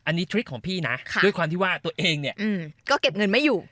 อันนี้ทริคของพี่นะด้วยความที่ว่าตัวเองเนี่ยก็เก็บเงินไม่อยู่